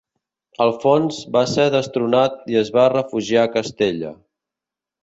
Alfons va ser destronat i es va refugiar a Castella.